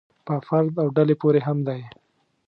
په فرد او ډلې پورې هم دی.